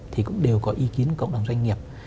thì cũng đều có ý kiến của cộng đồng doanh nghiệp